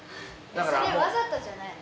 それわざとじゃないの？